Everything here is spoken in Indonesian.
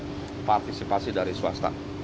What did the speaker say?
kita berharap nanti ada partisipasi dari swasta